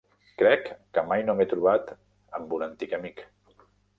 Crec que mai no m'he trobat amb un antic amic.